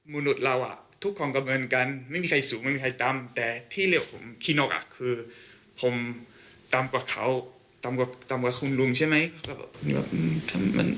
คุยกับเขาแล้วแค่แบบรีบเอาเงินมาแล้วก็ออกจ่ายรถเลย